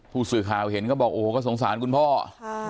ผู้สื่อข่าวเห็นก็บอกโอ้โหก็สงสารคุณพ่อค่ะ